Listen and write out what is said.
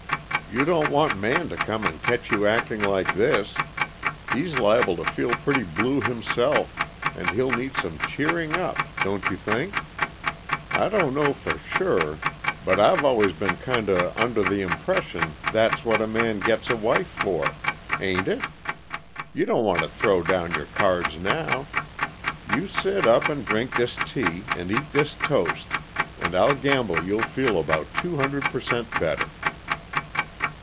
"You don't want Man to come and catch you acting like this. He's liable to feel pretty blue himself, and he'll need some cheering up don't you think? I don't know for sure but I've always been kinda under the impression that's what a man gets a wife for. Ain't it? You don't want to throw down your cards now. You sit up and drink this tea, and eat this toast, and I'll gamble you'll feel about two hundred per cent better.